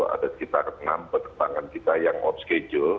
ada sekitar enam penerbangan kita yang off schedule